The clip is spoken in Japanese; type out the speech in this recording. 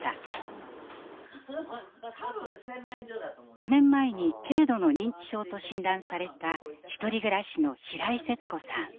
５年前に軽度の認知症と診断されたひとり暮らしの平井セツ子さん。